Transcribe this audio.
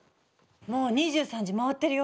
もう２３時回ってるよ。